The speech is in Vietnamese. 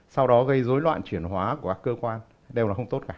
sau đó gây dối loạn chuyển hóa của các cơ quan đều là không tốt cả